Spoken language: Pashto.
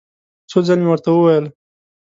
څو ځل مې ورته وویل.